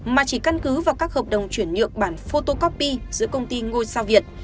mà chỉ căn cứ vào các hợp đồng chuyển nhượng bản photocopy giữa công ty ngôi sao việt